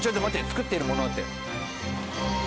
「作っているもの」って！